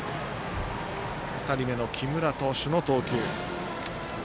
２人目の木村投手の投球。